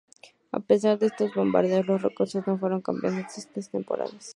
A pesar de estos bombarderos, los Rocosos no fueron campeones en esas temporadas.